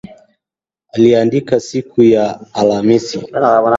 Aliandika siku ya Alhamisi.